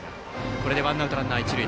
これでワンアウトランナー、一塁。